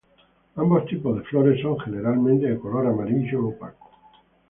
Ambos tipos de flores son generalmente de color amarillo opaco.